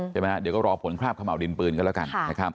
ใช่ไหมเดี๋ยวก็รอผลคราบขม่าวดินปืนกันแล้วกันนะครับ